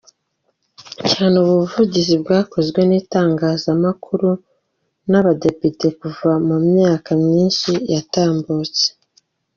Cyane ubu buvugizi bwakozwe n’ itangazamakuru n’ abadepite kuva mu myaka myinshi yatambutse.